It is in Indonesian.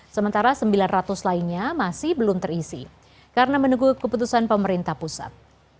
sementara sembilan ratus lainnya masih belum terisi karena menunggu keputusan pemerintah pusat